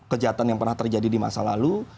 kejahatan yang pernah terjadi di masa lalu